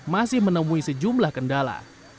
masih menemui sejumlah kendala